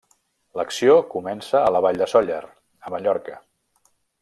L'acció comença a la Vall de Sóller, a Mallorca.